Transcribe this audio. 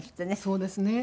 そうですね。